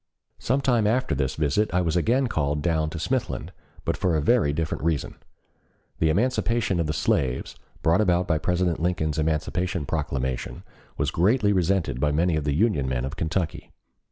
Some time after this visit I was again called down to Smithland, but for a very different reason. The emancipation of the slaves, brought about by President Lincoln's Emancipation Proclamation, was greatly resented by many of the Union men of Kentucky.